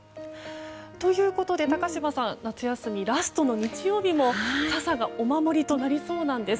ということで、高嶋さん夏休みラストの日曜日も傘がお守りとなりそうなんです。